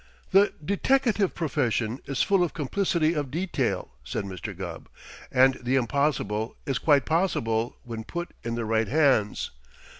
"The deteckative profession is full of complicity of detail," said Mr. Gubb, "and the impossible is quite possible when put in the right hands.